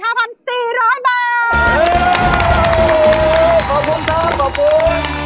ขอบคุณครับขอบคุณ